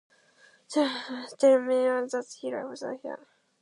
Jay arrives in time to tell Miryea that he loves her.